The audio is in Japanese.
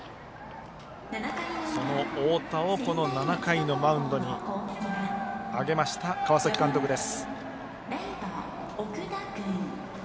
その太田を７回のマウンドに上げました川崎監督です。